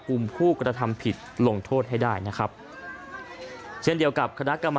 กลุ่มผู้กระทำผิดลงโทษให้ได้นะครับเช่นเดียวกับคณะกรรมการ